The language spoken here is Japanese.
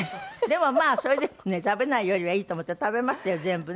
でもまあそれでもね食べないよりはいいと思って食べましたよ全部ね。